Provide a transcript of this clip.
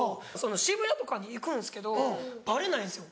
渋谷とかに行くんですけどバレないんですよ。